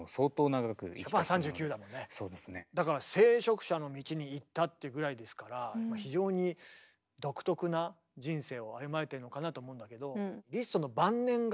だから聖職者の道に行ったっていうぐらいですから非常に独特な人生を歩まれてるのかなと思うんだけど。